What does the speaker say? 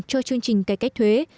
cho chương trình cải cách thuế